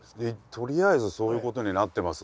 とりあえずそういうことになってます。